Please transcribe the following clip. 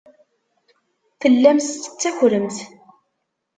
Tellamt tettakremt.